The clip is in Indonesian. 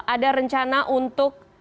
ada rencana untuk